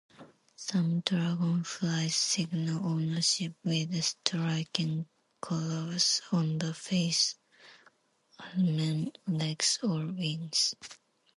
Some dragonflies signal ownership with striking colours on the face, abdomen, legs, or wings.